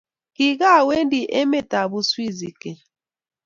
Kigagowendi emetab uswizi keny